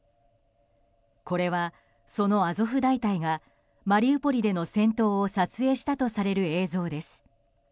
これはそのアゾフ大隊がマリウポリでの戦闘を撮影したとされる映像です。